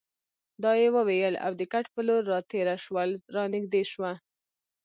دا یې وویل او د کټ په لور راتېره شول، را نږدې شوه.